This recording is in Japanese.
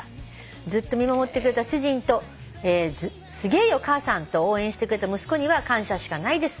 「ずっと見守ってくれた主人と『すげーよ母さん』と応援してくれた息子には感謝しかないです。